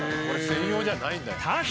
これ専用じゃないんだ。